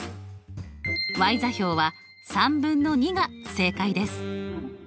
座標はが正解です。